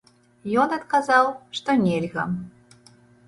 Ён адказаў, што нельга.